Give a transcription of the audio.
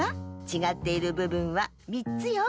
ちがっているぶぶんは３つよ。